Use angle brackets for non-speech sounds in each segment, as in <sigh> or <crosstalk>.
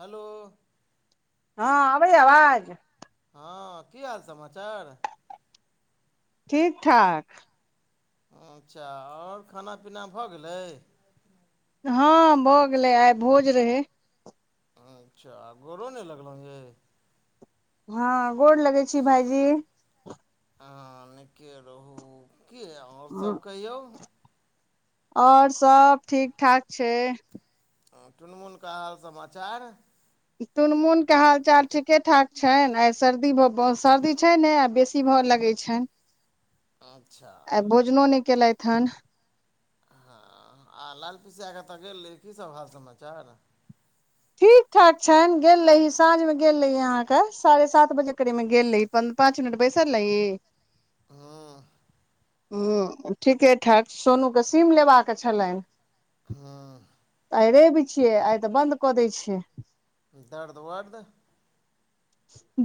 Hello हँ अबै य अबाज? हँ, की हाल समाचार? ठीक ठाक। अच्छा, आओर खाना पीना भऽ गेलै? हँ भऽ गेलै, आइ भोज रहै। अच्छा, आ गोड़ो नहि लगलहुँ ये? हँ, गोर लगै छी भाईजी। ह नीके रहू, कि यै आओर सब कहियौ। और सब ठीक ठाक छै। हँ टुनमुन क हाल समाचार? टुनमुन क हालचाल ठीके ठाक छैन। आइ सर्दी ब भऽ, सर्दी छै ने आ बेसी ती भऽ लगै छैन। अच्छा। नो नहि केलैथ हन। हँ, आ लाल पिसा क अतऽ गेल रही, कीसभ हाल समाचार? ठीक ठाक छैन। गेल रही साँझ मे गेल रही अहाँ के, साढ़े सात बजे करीब मे गेल रही। पन पाँच मिनट बैसल लई हँ ह्म, ठीके ठाक, सोनू क सीम लेबाक छलैन। हाँ आइ रैब छियै, आइ तऽ बन्द कऽ दै छै। दर्द वर्द?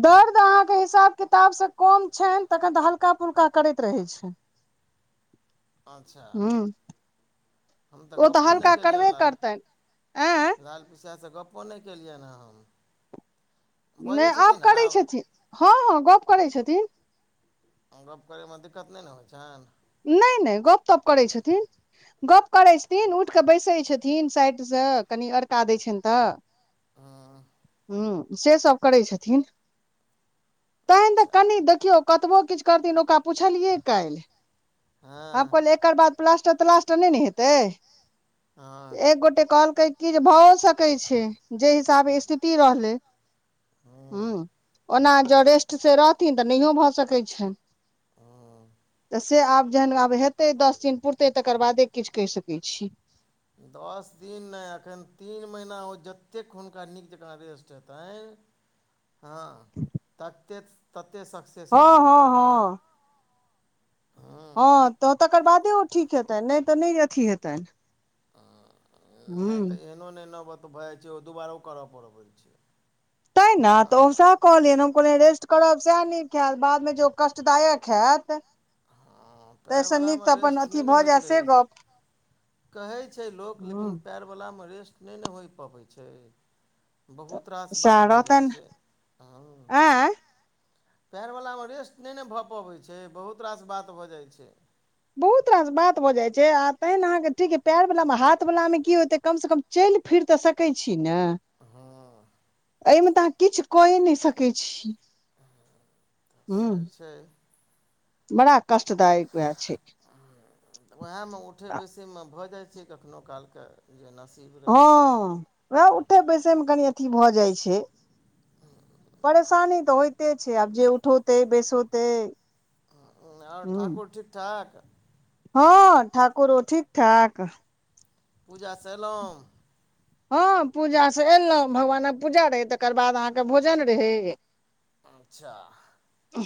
दर्द अहाँक हिसाब किताबसँ कम छैन, तखन तऽ हल्का फुल्का करैत रहैत छै। अच्छा हूँ हम तऽ ओ गप्पो नहि हल्का केलियनि करबे लाल, करतनि आँय लाल पिसासँ गप्पो नहि केलियनि हँ हम। नइ बजै आब छथिन करै छथिन। हँ हँ गप करै छथिन। और गप्प करैमे दिक्कत नहि ने होइ छैन? नइ नइ गप तप करै छथिन। गप करै छथिन, उठ कऽ बैसैय छथिन। तीन साइड स कनि अड़का दै छीयन तऽ। हँ हँ हु से सब करै छथिन। तैं त अच्छा कनि देखियो कतबो किछ करथिन, ओकरा पुछलियै काल्हि। आब हँ कहलियै एकर बाद प्लास्टर तलास्टर नहि ने हेतै। हँ एक गोटे कहलकै कि जे भऽओ सकै छै, जै हिसाबे स्थिति रहलै। हँ ह्म, ओना ज रेस्ट से रहथिन तऽ नहियो भऽ सकैत छनि। हँ तऽ से आब जहन आब हेतै, दस दिन पुरतै तकर बादे किछ कहि सकै छी। दस दिन नहि, एखन तीन महिना, ओ जतेक हुनका नीक जँका रेस्ट हेतनि हँ, तत्ते तत्ते सक हँ सतेन हँ हँ <unintelligible> ह हँ, तऽ तकर बादे ओ ठीक हेतनि, नहि तऽ नहि अथी हेतनि। हँ नैय हूँ तऽ एहनो नैय न भत-भऽ जाइ छै, ओ दुबारो करय पड़बै छै। तैं न, तऽ ओ हँ साप कहलियैन हम कहलियै रेस्ट करब सैह नीक हैत, बाद मे जे ओ कष्टदायक हैत हँ, पैऽर एहिसँ वला नीक मे तऽ अपन रेस्ट अथी नैय ने भऽ होइत जाय से रहै छै। गप कहै छै लोक, हँ लेकिन पैऽर वला में रेस्ट नैय न होय पबै छै। बहुत रास सएह बात भऽ जाइ रहतनि छै, हं। आँय पैऽर वला में रेस्ट नैय न भऽ पबै छै, बहुत रास बात भऽ जाइ छै। बहुत रास बात भऽ जाइ छै, आ तैं ना अहाँके ठीके, पैऽर वला में, हाथ वला मे की होतै कम सँ कम चैल फिर तऽ सकै छी ने? हँ अई में तऽ अहाँ किछ कऐ नैय सकै छी। तऽ सएह हूम्म, छै बड़ा कष्टदायक वैह छै। वैहैऽ में उठै बैसै मे भऽ जाइ छै कखनो कालके जे नसीब रहै छै। वैह उठय बैसय मे कनि अथी भऽ जाइ छै। परेशानी तऽ होइते छै, आब जे उठौतै बैसोतै हँ, और ठाकुर ठीक ठाक? हँ, ठाकुरो ठीक ठाक। पूजा स एलौं? हँ पूजासँ एयलौं, भगवानक पूजा रहै, तकर बाद अहाँके भोजन रहै। अच्छा।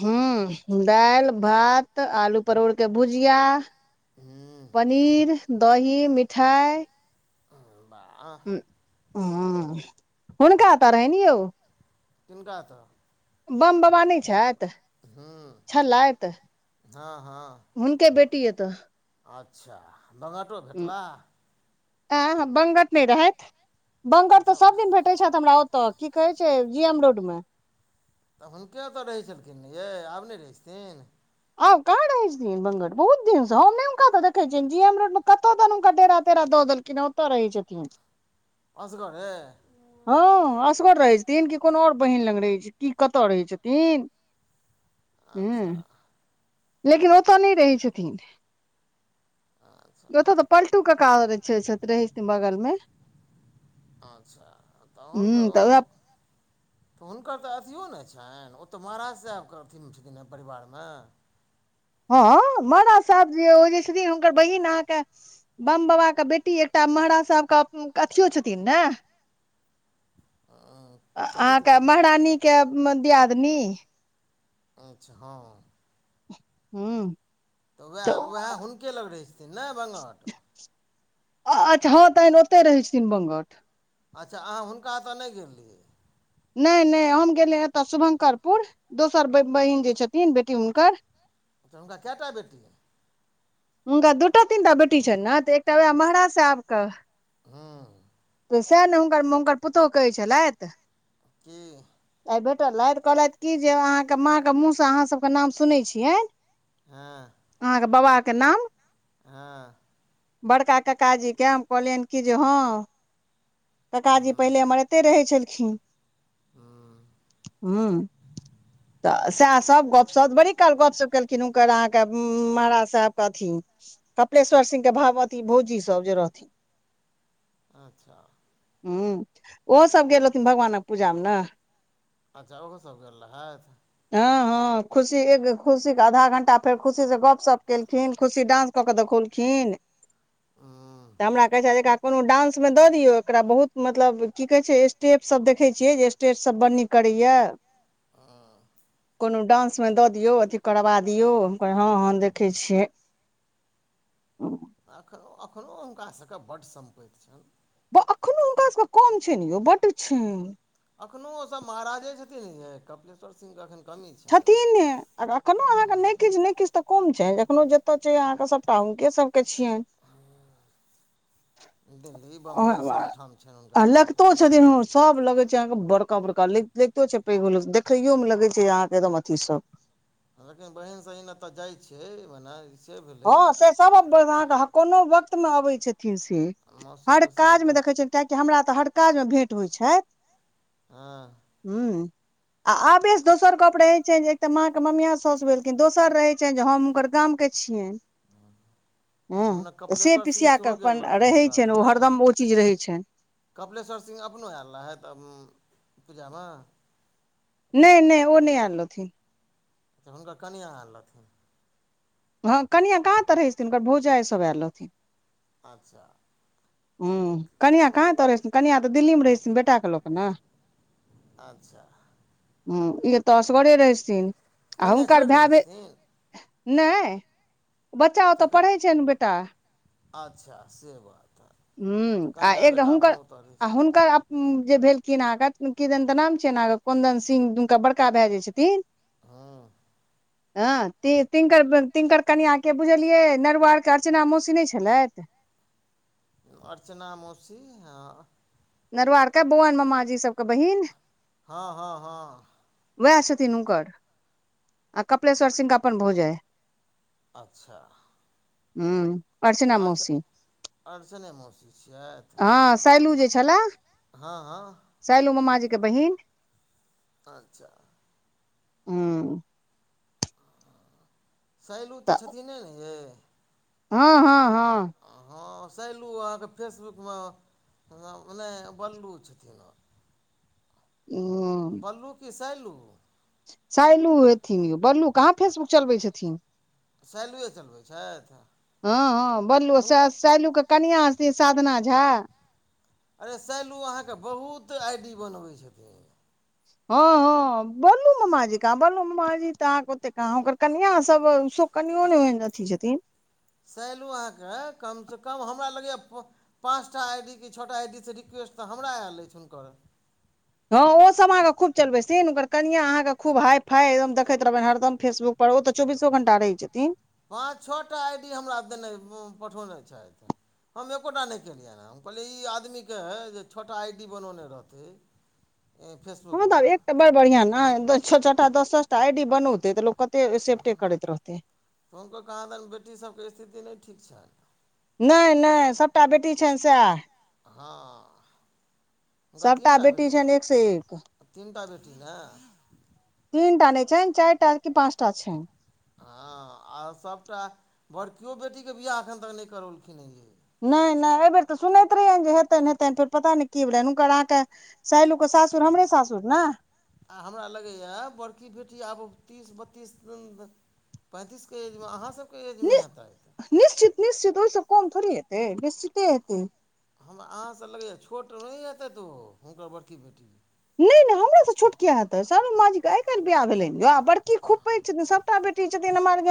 हूँम्म, दैल, भात, आलूक परोर के भुजिया, हूँ पनीर, दही, मिठाइ हे बा हूँम्म, हुनका ओतऽ रहैन यौ किनका तऽ बमबवा नैय छैथ हूँ छेलैत? हँ हँ हुनके बेटी ओतऽ अच्छा, बगटो भेटलाह? ऐं? बंगत नैय रहैथ। बंगट तऽ अच्छा सब दिन भेटै छैथि, हमरा ओतऽ की कहै छै? जी एम रोड में। तऽ हुनके ओतऽ रहै छेलखिन ने यै? आब नैय रहै छथिन? आब काहाँ रहै छथिन बंगट बहुत दिन स, हम नै हुनका देखै छियैन, जी एम रोड मे कतऽ दैन हुनकर डेरा-तेरा दऽ देलकै किना ओतऽ रहै छथिन। असगऽरे? हँ असगर रहै छथिन, कि कोनो और बहिन लंग रहै छै, की कताऽ रहै छथिन? ह अच्छा। लेकिन ओतऽ नैय रहै छथिन। अच्छा ओतऽ तऽ पलटू कक्का रहै छै-छत-रहै छथिन बगल में। आंच्छा तऽहन ह कहू तऽ उएह तऽ हुनकर तऽ अथियो न छैन? ओ तऽ महाराज सहैब के अथी में छथिन ने परिवार में? हँ, महराज सहैब जे ओ जे छथिन हुनकर बहिन आहाँ के बमबबाके बेटी एकटा महराज सहैब के अथियो छथिन ने? कथी अहाँ के छथिन महरानी के दियादनी। अच्छा हँ। हूँम्म। तऽ वैह-वैह हुनके लग रहै छथिन ने बंगट? अ-अच्छा हँ तहैन ओत्तै रहै छथिन बंगट। अच्छा अहाँ हुनका एतऽ नै गेल रहियै। नै-नै, हम गेलियै एतऽ शुभंकरपुर। दोसर ब-बहिन जे छथिन बेटी हुनकर। अछा, हुनका केटा बेटी? हुनका दू-टा, तीन- टा बेटी छैन न तऽ एकटा वेह महाराज सेहब कऽ। हूँ। तऽ सेह ने हुनकर-म-हुनकर पुतौह कहै छलैत। की? ऐ भेटल रहैथ कहलैथ की जे अहाँ के माँ के मुँह से अहाँ सब के नाम सुनै छियैन। हँ। अहाँ के बबा के नाम? हँं। बड़का ककाजी के हम कहलियैन कि जे हँ। ककाजी हूँ पहिले हमर एत्तै रहै छलखीन। हूँ हूं। तऽ सेह सब गपशब बड़ी काल गपशप केलखिन हुनकर अहाँ के उं महाराज साहेब के अथी। कपलेश्वर सिंह के भाव अथी भौजी सब जे रहथिन। आच्छा। हूँ, ओहो सब गेल रहथिन भगवानक पूजा में-न। अच्छा, ओहो सब गेल रहैथ? हँ-हँ, खुशी एक खुशी के आधा-घण्टा फेर खुशी से गपशप केलखिन खुशी डान्स कऽ के देखौलखिन। हूं। तऽ हमरा कहै छै जे एकरा कोनो डांसमे दऽ दियौ एकरा बहुत मत मतलब की कहै छै स्टेप सब देखै छियै जे स्टेट सब बड़ नीक करैये। हँ। कोनो डांस में दऽ दियौ अथी करबा दियौ हम कहयै हँ-हँ देखै छियै। अखओ-अखनो हुनका सब के बड्ड सम्पैत छैन। बऽअखनौ हुनका सबके कम छैन यौ बड्ड छैन। अखनो ओ सब महाराजे छथिन यै कपलेश्वर सिंह के अखैन छथिन्हें, और अखनो अहाँके हँ नै-किछ- नै-किछ तऽ कम छैन, अखनो जेत्त छै अहाँके सपटा हुनके सब के छियैन। हूंँ, दिल्ली, बम्बई सब ठाम छैन हुनका जमीन टा। सब लगे छै अहाँ के बड़का-बड़का लैग-लैगतो छै पैघो लोक स देखैयो मे लगे छै अहाँ के एकदम अथी सब। हलाँकि हम बहीन-सहीन एत जाय छै ओना हँ, से सब बेर अहाँक ह कोनो वक्त मे अबै छथिन से। मौसी हर तौसी काज में एतऽ देखै छियैन किएकि हमरा तऽ हर काजमे भेँट होइ छै। हँ। हूँ। आ आबेस दोसर गप रहै छै जे एक तऽ माँ क ममिया सौस भेलखीन, दोसर रहै छैन जे हम हुनकर गाम के छियैन। हूँ, ओने त से कपिलेश्वर सिंह पिसिया कऽ सेहो गेल अपन रहथिन रहै हुनका छैन ओ हरदम ओ चीज रहै छैन। कपलेश्वर सिंह अपनो एल रहैत तब्म्- पूजा म? नै-नै ओ नै एल रहथिन। तऽ हुनकर कनियाँ एल रहथिन। हाँ कनियां कहाँ तऽ रहै छथिन? हुनकर भोजाइ सब ऐल रहथिन। अच्छा। हूँ, कनिआँ कहाँ एतऽ रहै छथिन? कनिआँ तऽ दिल्लीमे रहै छथिन बेटा के लऽ क न? अच्छा हुँ। ई तऽ असगरे रहैछथिन आ कनिआँ हुनकर छोड़ि भाय देने भेल छथिन नै, बच्चा ओतऽ तखन पढ़ै छैन बेटा। अच्छा से बात। तऽ हुँ, आ कनिआँ एक तऽ बेटा अपन हुनकर, ओतऽ रहै आ हुनकर अप उं जे भेलखिन अहाँके किदैन तऽ नाम छियैन, कुन्दन सिंह दुमका बड़का भैऽ जे छथिन? हाँ। हाँ, ति-तिनकर बऽ तिनकर कनिआँके बुझलियै? नरुआरके अर्चना मौसी नै छलेथ? अर्चना मौसी, हाँ। नरवार के बौअन मामाजी सब हाँ- हाँ- हाँ। वैह छथिन हुनकर, आ कपिलेश्वर सिंह के अपन भोजाय। अच्छा। हुँम्म, अर्चना अर्च मौसी, अर्चने मौसी छियथि हाँ सैलू जे छलैऽ, हँ हँ सैलू मामा जी के बहिन। अच्छा। हुँम्म। सैलू तऽ छथिने ने यैऽ? हाँ- हाँ- हाँ। हाँ, सैलू अहाँके फेसबुक मऽ, हाँ मने बल्लू छथिन। उं। बल्लू कि सैलू? सैलू हेथिन यौ, बल्लू कहाँ फेसबुक चलबै छथिन। सैलुए चलबै छथि हाँ-हाँ बल्लू सै हुनका सैलू के कनयां सी साधना झा। अरे सैलू अहाँके बहुत आइ डी बनबै छथिन। हँ-हँ बल्लू ममाजी कहाँ, बल्लू ममा जी त अहाँके ओते कहाँ, हुनकर कनिआं सब सु कनियों ने ओहेन अथी छथिन। सैलू अहाँकेँ कमसँ कम हमरा लगै यैऽ प पाँचटा आई डी कि छॅटा आई डी स रिक्वेस्ट तऽ हमरा आयल अछि हुनकर। हँ ओसब अहाँके खूब चलबै थीन, हुनकर कनिआं अहाँके खूब हाइ फाइ एकदम देखैत रहबैन हरदम फेसबुक पर ओ तऽ चौबीसो घंटा रहै छथिन। पाँच छॅ टा आइ डी हमरा देने पठौने छैथ। हम एकोटा नैय केलियैन हन, हम कहलियै ई आदमीके जे छॅ टा आइ डी बनौने रहतै <inaudible> ए फेस हँ तऽ आब एकटा बड़ बढ़िआं न, द-छॅऽ-छॅटा दस-दसटा आई डी बनौते तऽ लोक कते सेफ्टे करैत रहतै। तऽ हुनको कहॉं दैन बेटी सबके स्थिति नैय ठीक छैन नैय नैय, सबटा बेटी छैन सैह हँ। हुनका सभटा तीनटा बेटी, छनि एक से एक तीनटा बेटी ने? तीनटा नैय छैन, चाई टा कि पाँचटा छैन। हँ, आ सबटा बड़कियो बेटीके बिआह एखन तक नैय करौलखिन हँ यैऽ। नैय नैय अई बेेर तऽ सुनैत रहियैन जे हेतैन हेतैन, फेर पता नैय की भेलैन हुनकर अहां के सैलू के सासुर हमरे सासुर ने? आ हमरा लगैयाऽ, बड़की बेटी आब तीस बत्तीस दिन पैंतीस के एज में, अहाँ सबके एज में हेतैथ। निश्चित-निश्चित ओहि सँ कम थोड़े हेतै? निश्चिते हेतै। हमरा अहाँसँ लगैयैऽ छोट नैय हेतैथ ओ, हुनकर बड़की बेटी नैय-नैय, हमरा सँ छोट कियाऽ हेतै? सरमा जी के आइ काल्हि बियाह भेलैन यौ? आ बड़की खूब पैघ छथिन सब टा बेटी छथिन हमर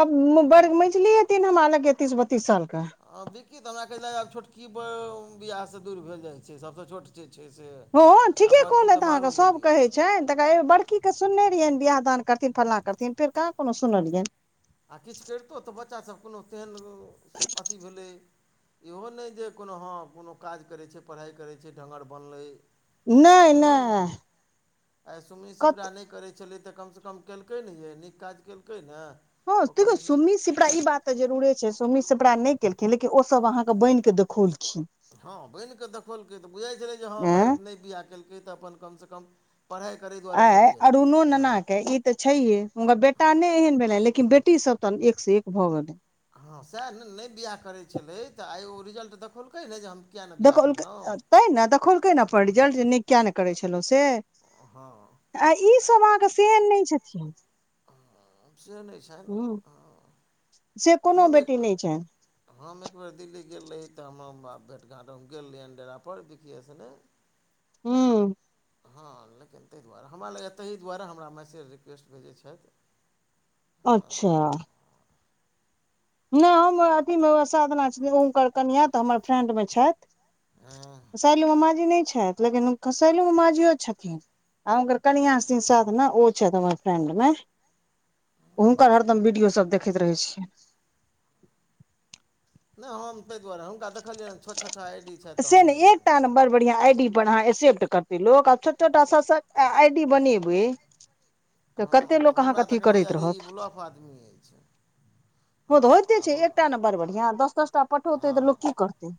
आर के मेझली हेतीन हमरा लगैय तीस बत्तीस साल के आब विक्क तऽ हमरा कहै छलाऽ, आब छोटकी बर बिआहसँ दूइर भेल जाइ छै सबसँ छोट जे छै से, आब बड़की तऽ मारू गोली। छैन तऽ बड़की के सुनने रहियैन, बियाह दान करथिन, फल्नाँ करथिन, फेर कहाँ कुनो सुनलियैन। आ किछ कैरतो तऽ बच्चा सब कोनो तेहन अथी भेलै इहो नैय जे कोनो हँ, कोनो काज करै छै, पढ़ाइ करै छै, ढंगर बनलै सेहो नैय-नैय। नहि आइ सुमनी सिपरा नहि करै छलै तऽ कम सँ कम केलकै न यैऽ? नीक काज केलकै ने? हँ, ओ तेकियौ कमिश सुमी शि पड़ा ई बात तऽ जरुरे छै, सोमी सिपड़ा नैय केलखिन लेकिन ओसब अहाँके बैन कऽ देखौलखिन। हँ बैन कऽ देखौलकै तऽ बुझैइ छलै जे हँ भाय एं नैय बिआह केलकै तऽ अपन कमसँ कम पढ़ाइ करै जो आय अरुणो नना के ई त छैहे, हुनकर बेटा नै एहन भेलैन लेकिन बेटी सब तऽ एक स एक भऽ गेलै। हँ सैह न? नै बियाह करैत छलै तऽ आइ ओ रिजल्ट देखौलकै ने जे हम किएक नहि बियाह देखौलकै, करलहुँ तैँ ने देखौलकै ने अपन रिजल्ट जे नहि किया नहि करै छलौं से हँ। मा के से नैय छथिन हाॅं, से नैय छैन, ह हॉं। से कुनो बेटी नैय छैन। हम एक बेर दिल्ली गेल रही तऽ हमा मा भेटघाँट, हम गेल रहियैन डेरा पर बिक्किये सने <inaudible> हूम्म। हँ, लेकिन तई दुआरे, हमरा लगैयैऽ ताहि दुआरे हमरा मैसेज रिक्वेस्ट भेजै छैथ। अच्छा नैय, हम अथीमे साधना छथिन, हुनकर कनिआं तऽ हमर फ्रेंड में छैथ। हँ। सैलू ममाजी नैय छैथ, लेकिन सैलू ममाजियो छथिन। आ हुनकर कनिआं छथिन साधना, ओ छैथ हमर फ्रेंड में। हुनकर हरदम वीडियो सब देखैत रहै छियैन। नैय हम तई दुआरे, हुनका देखलियैन छॅ-छॅ टा आइ डी छैथ। से नै एकटा न बड़ बढ़िया आईडी पर अहाँ एसेप्ट करतै लोक, आ छॅ-छॅ टा सात-सात आह। डी बनेबै तऽ हँ कतेक लोक हमरा अहाँके अथी तखन होइए करैत जे ई रहत। ब्लॉफ आदमी अछि ओ हँ तऽ होइते आ छै, ब्ल एकटा ने बड़ बढ़िआं दस-दस टा पठौतै तऽ लोक की करतै?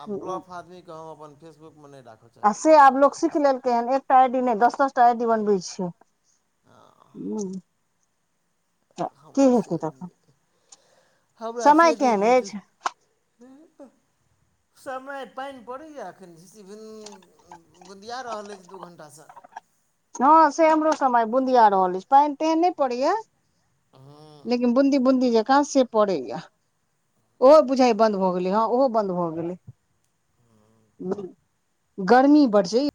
आब ब्लॉफ आदमी केँ हम अपन फेसबुक मे नैय राखऽ चाहै छी, बात जानी सा चाईर दिने दस-दस टा आइडी बनबै छै। हॅं। हूँम्म। तऽ की हमरा से हेतय तखनऽ? हमरा से नैय नीक अछि समय पानि पड़ैय यैऽ एखन, झीसी भेल बुंदिया रहल अछि दू घण्टा सँ। हँ से हमरो समय बुंदिया रहल अछि, पानि तेहन नहि पड़ैया। हँ। लेकिन बूंदी बूंदी जेकाँ से पड़ैया। ओहो बुझाइ यैऽ बंन्द भऽ गेलै, हँ ओहो बंन्द भऽ गेलै। गर्मी बड छै य